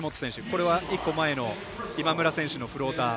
これは１個前の今村選手のフローター。